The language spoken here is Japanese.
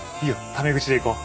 タメ口でいこう。